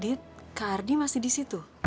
dit kak ardi masih di situ